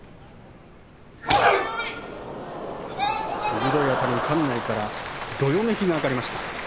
鋭いあたりに、館内からどよめきが上がりました。